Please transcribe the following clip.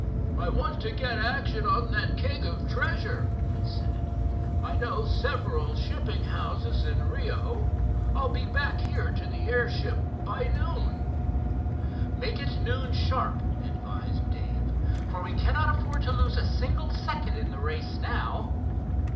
"I want to get action on that keg of treasure," he said. "I know several shipping houses in Rio. I'll be back here to the airship by noon." "Make it noon, sharp," advised Dave, "for we cannot afford to lose a single second in the race now."